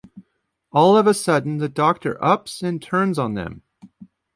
All of a sudden the doctor ups and turns on them.